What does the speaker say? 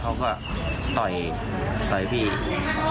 เข้ามาห้าม